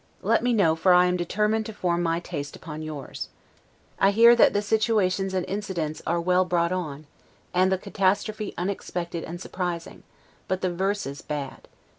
Let me know, for I am determined to form my taste upon yours. I hear that the situations and incidents are well brought on, and the catastrophe unexpected and surprising, but the verses bad.